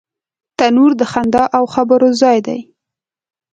تنور د خندا او خبرو ځای دی